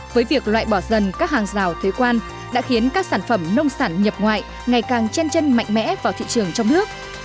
với việc loại bỏ dần các hàng rào thuế quan đã khiến các sản phẩm nông sản nhập ngoại ngày càng chân mạnh mẽ vào thị trường trong nước